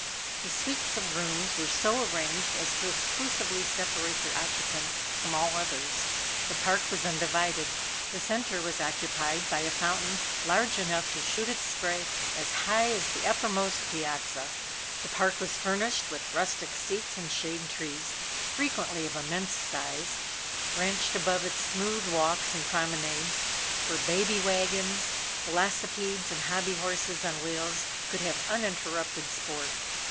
The suites of rooms were so arranged as to exclusively separate their occupants from all others. The park was undivided. The center was occupied by a fountain large enough to shoot its spray as high as the uppermost piazza. The park was furnished with rustic seats and shade trees, frequently of immense size, branched above its smooth walks and promenades, where baby wagons, velocipedes and hobby horses on wheels could have uninterrupted sport.